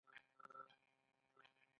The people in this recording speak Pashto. ژوندي موجودات علمي نومونه لري